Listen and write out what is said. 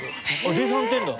で３点だ？